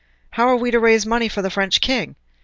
"How are we to raise the money for the French king?